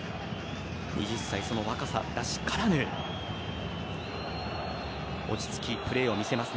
２０歳、その若さらしからぬ落ち着き、プレーを見せます。